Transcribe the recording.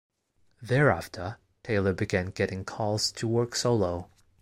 Thereafter, Taylor began getting calls to work solo.